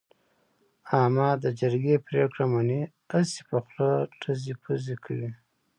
احمد د جرگې پرېکړه مني، هسې په خوله ټزې پزې کوي.